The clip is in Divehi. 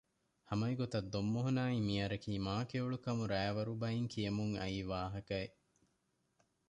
ހަމަ އެގޮތަށް ދޮންމޮހޮނާއި މިޔަރަކީ މާކެޔޮޅުކަމު ރައިވަރު ބައިން ކިޔެމުން އައީ ވާހަކައެއް